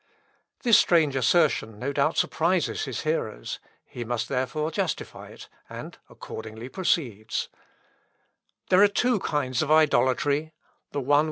" This strange assertion no doubt surprises his hearers. He must therefore justify it, and accordingly proceeds: "There are two kinds of idolatry, the one without, the other within.